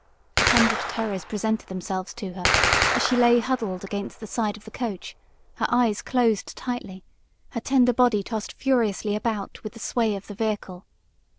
A hundred terrors presented themselves to her as she lay huddled against the side of the coach, her eyes closed tightly, her tender body tossed furiously about with the sway of the vehicle.